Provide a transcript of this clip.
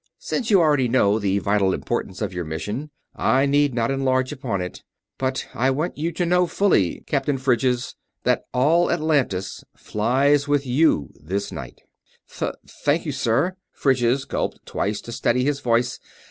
Since you already know the vital importance of your mission, I need not enlarge upon it. But I want you to know fully, Captain Phryges, that all Atlantis flies with you this night." "Th ... thank you, sir." Phryges gulped twice to steady his voice.